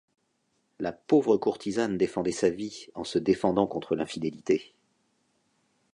La pauvre courtisane défendait sa vie en se défendant contre l’infidélité.